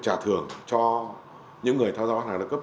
trả thưởng cho những người tham gia bán hàng đa cấp